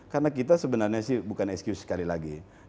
karena kita sebenarnya sih bukan excuse sekali lagi